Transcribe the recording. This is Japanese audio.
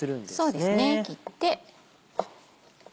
そうですね切って。